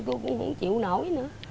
tôi cũng không chịu nổi nữa